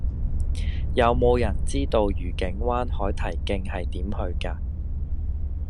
有無人知道愉景灣海堤徑係點去㗎